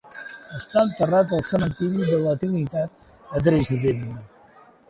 Està enterrat al Cementiri de la Trinitat a Dresden.